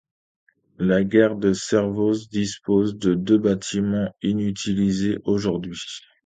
La gare de Servoz dispose de deux bâtiments inutilisés aujourd'hui.